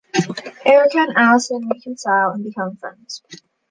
Erica and Alison reconcile and become friends.